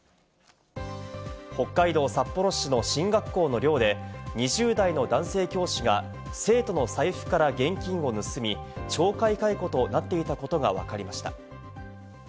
北海道札幌市の進学校の寮で２０代の男性教師が生徒の財布から現金を盗み、懲戒解雇となっていたことがわかりました。